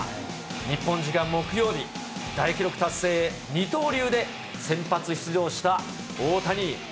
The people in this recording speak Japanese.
日本時間木曜日、大記録達成、二刀流で先発出場した大谷。